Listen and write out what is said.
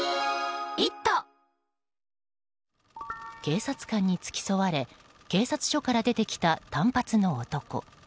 警察官に付き添われ警察署から出てきた短髪の男。